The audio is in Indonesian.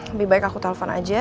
lebih baik aku telpon aja